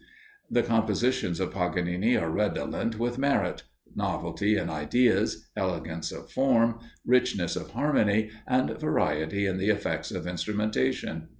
The compositions of Paganini are redolent with merit novelty in ideas, elegance of form, richness of harmony, and variety in the effects of instrumentation.